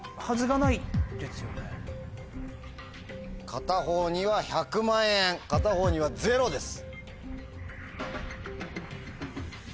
片方には１００万円片方にはゼロです。